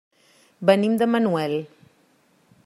Venim de Manuel.